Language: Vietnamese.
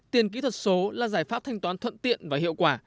tiền kỹ thuật số là giải pháp thanh toán thuận tiện và hiệu quả